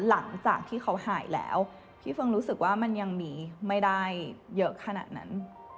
หลังจากที่เขาหายแล้วพี่เฟิร์งรู้สึกว่ามันยังมีไม่ได้เยอะขนาดนั้น